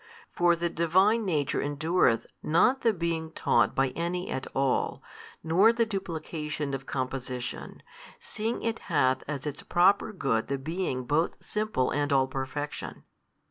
For the Divine Nature endureth not the being taught by any at all, nor the duplication of composition, seeing It hath as Its Proper Good the being both Simple and All Perfection.